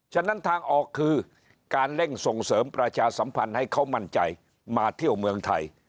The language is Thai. ฉะนั้นทางออกคือการเร่งส่งเสริมประชาสัมพันธ์ให้เขามั่นใจมาเที่ยวเมืองไทย